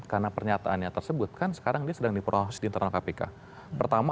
karena pernyataannya tersebut kan sekarang dia sedang diproses di internal kpk pertama